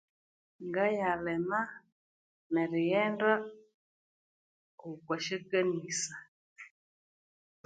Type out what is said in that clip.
Ngayalima nerighenda okwa syakanisa.